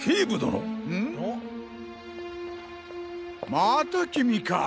また君か。